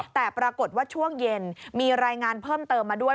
แต่ปรากฏว่าช่วงเย็นมีรายงานเพิ่มเติมมาด้วย